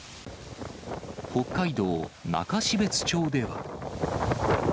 北海道中標津町では。